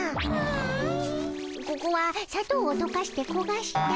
ここはさとうをとかしてこがした。